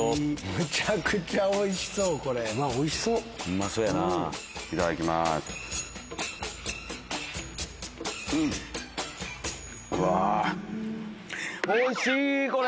めちゃくちゃおいしそう、これ。